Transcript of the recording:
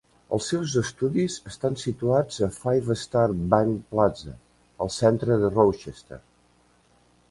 Els seus estudis estan situats a Five Star Bank Plaza al centre de Rochester.